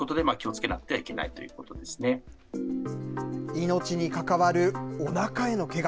命に関わるおなかへのけが